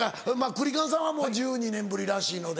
クリカンさんはもう１２年ぶりらしいので。